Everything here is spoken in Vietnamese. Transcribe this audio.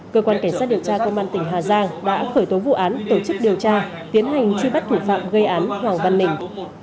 cơ quan cảnh sát điều tra công an tỉnh hà giang đã khởi tố vụ án tổ chức điều tra tiến hành truy bắt thủ phạm gây án hoàng văn ninh